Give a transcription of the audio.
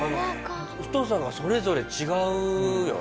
太さがそれぞれ違うよ。